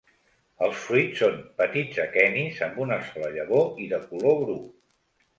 Els fruits són petits aquenis, amb una sola llavor i de color bru.